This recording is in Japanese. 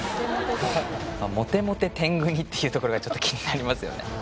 「モテモテ天狗に」っていうところがちょっと気になりますよね